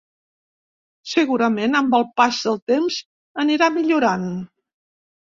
Segurament amb el pas del temps anirà millorant.